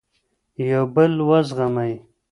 یو بل وزغمئ.